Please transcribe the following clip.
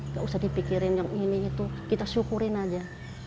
gak usah dipikirin yang ini itu kita syukurin aja